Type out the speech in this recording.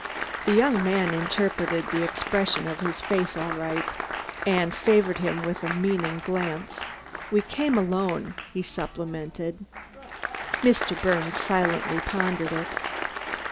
The young man interpreted the expression of his face aright, and favored him with a meaning glance. "We came alone," he supplemented. Mr. Birnes silently pondered it.